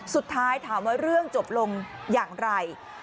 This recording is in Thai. สุดท้ายถามว่าเรื่องจบลงอย่างไร